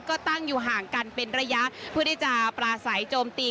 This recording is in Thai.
ก็ตั้งอยู่ห่างกันเป็นระยะเพื่อที่จะปลาใสโจมตี